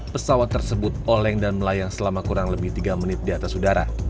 pesawat tersebut oleng dan melayang selama kurang lebih tiga menit di atas udara